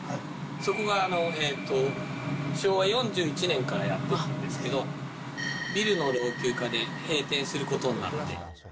そこが昭和４１年からやってるんですけど、ビルの老朽化で閉店することになって。